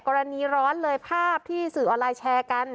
กรณีร้อนเลยภาพที่สื่อออนไลน์แชร์กัน